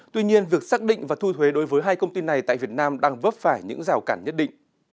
tuy nhiên việc xác định và thu thuế đối với hai công ty này tại việt nam đang vấp phải những rào cản nhất định